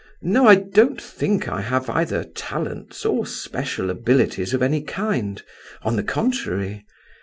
No, I don't think I have either talents or special abilities of any kind; on the contrary.